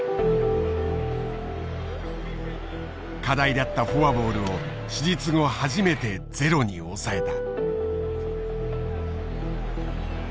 課題だったフォアボールを手術後初めてゼロに抑えた。